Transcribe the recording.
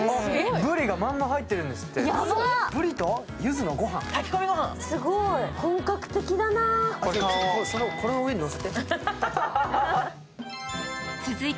ぶりが、まんま入ってるんですって。